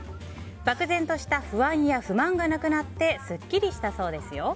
漠然とした不安や不満がなくなってスッキリしたそうですよ。